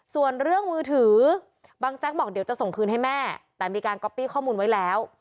ส่วนเรื่องมือถือบังแจ๊กบอกเดี๋ยวจะส่งคืนให้แม่แต่มีการก๊อปปี้ข้อมูลไว้แล้ว